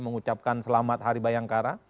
mengucapkan selamat hari bayangkara